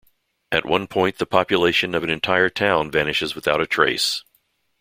At one point, the population of an entire town vanishes without a trace.